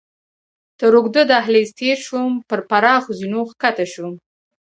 تر اوږده دهلېز تېر شوم، پر پراخو زینو کښته شوم.